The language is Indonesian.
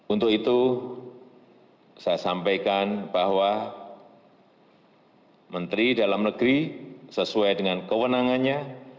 untuk itu saya sampaikan bahwa menteri dalam negeri sesuai dengan kewenangannya